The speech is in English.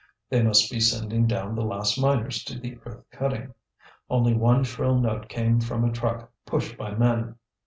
They must be sending down the last miners to the earth cutting. Only one shrill note came from a truck pushed by men.